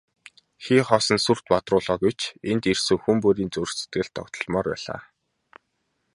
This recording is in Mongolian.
Хий хоосон сүр бадруулаагүй ч энд ирсэн хүн бүрийн зүрх сэтгэл догдолмоор байлаа.